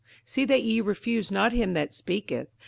58:012:025 See that ye refuse not him that speaketh.